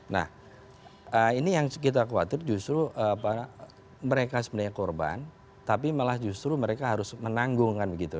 nah ini yang kita khawatir justru mereka sebenarnya korban tapi malah justru mereka harus menanggung kan begitu